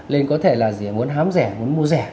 lên có thể là muốn hám rẻ muốn mua rẻ